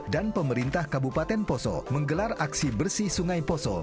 dan pemerintah kabupaten poso menggelar aksi bersih sungai poso